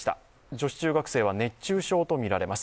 女子中学生は熱中症とみられます。